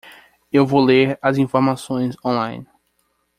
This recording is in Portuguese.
Eu vou ler as informações online.